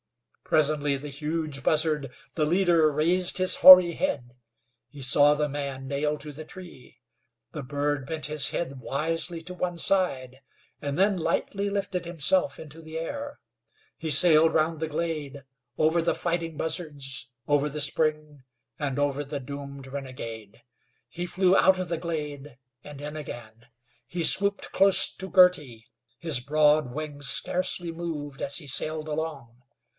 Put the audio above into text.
Presently the huge buzzard, the leader, raised his hoary head. He saw the man nailed to the tree. The bird bent his head wisely to one side, and then lightly lifted himself into the air. He sailed round the glade, over the fighting buzzards, over the spring, and over the doomed renegade. He flew out of the glade, and in again. He swooped close to Girty. His broad wings scarcely moved as he sailed along.